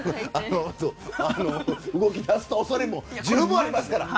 動き出す恐れも十分ありますから。